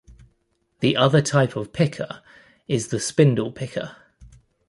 The other type of picker is the "spindle" picker.